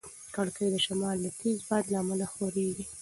کړکۍ د شمال د تېز باد له امله ښورېږي.